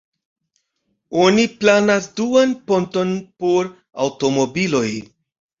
Oni planas duan ponton por aŭtomobiloj.